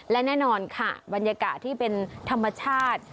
และแน่นอนค่ะบรรยากาศที่เป็นธรรมชาติ